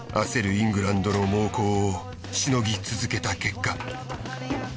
イングランドの猛攻をしのぎ続けた結果。